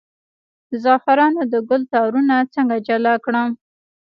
د زعفرانو د ګل تارونه څنګه جلا کړم؟